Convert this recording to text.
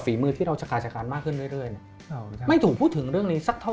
มือที่เราจะกาชการมากขึ้นเรื่อยไม่ถูกพูดถึงเรื่องนี้สักเท่าไ